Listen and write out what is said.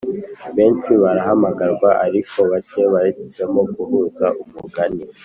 benshi barahamagarwa ariko bake bahisemo guhuza umugani